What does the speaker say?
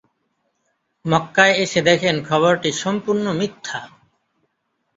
মক্কায় এসে দেখেন খবরটি সম্পূর্ণ মিথ্যা।